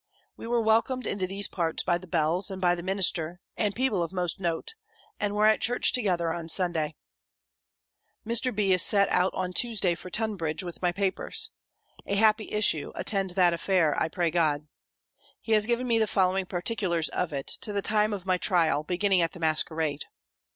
We were welcomed into these parts by the bells, and by the minister, and people of most note; and were at church together on Sunday. Mr. B. is to set out on Tuesday for Tunbridge, with my papers. A happy issue, attend that affair, I pray God! He has given me the following particulars of it, to the time of my trial, beginning at the masquerade.